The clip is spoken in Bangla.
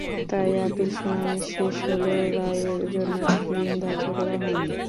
তাই আপিল শুনানি শেষ হলেও রায়ের জন্য দিন ধার্য করা হয়নি।